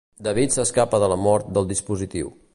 David s'escapa de la mort del dispositiu.